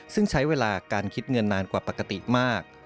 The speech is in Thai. ซึ่งใช้เวลาการคิดเงินนานกว่าปกติมาก